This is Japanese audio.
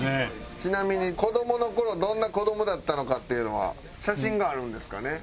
ちなみに子どもの頃どんな子どもだったのかっていうのは写真があるんですかね。